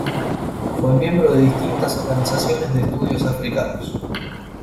Fue miembro de distintas organizaciones de estudios africanos.